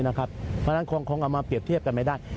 เพราะฉะนั้นคงเอามาเปรียบเทียบกันไม่ได้